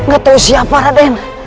gatau siapa rade